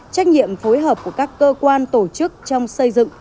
trách nhiệm phối hợp của các cơ quan tổ chức trong xây dựng